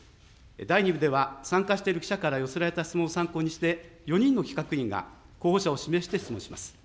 第２部では参加している記者から寄せられた質問を参考にして、４人の企画委員が、候補者を指名して質問します。